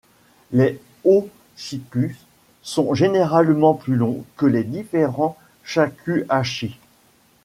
Les hotchikus sont généralement plus longs que les différents shakuhachis.